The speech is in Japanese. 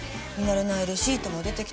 慣れないレシートも出てきたし。